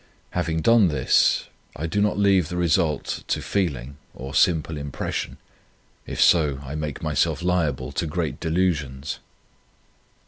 Having done this, I do not leave the result to feeling or simple impression. If so, I make myself liable to great delusions.